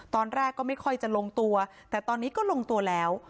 ตอนแรกก็ไม่ค่อยจะลงตัวแต่ตอนนี้ก็ลงตัวแล้ว